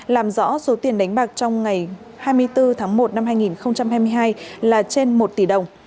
làm rõ số tiền đánh bạc trong ngày hai mươi bốn tháng một năm hai nghìn hai mươi hai là trên một tỷ đồng